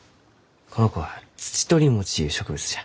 この子はツチトリモチゆう植物じゃ。